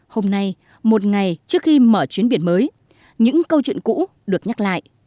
hôm nay một ngày trước khi mở chuyến biển mới những câu chuyện cũ được nhắc lại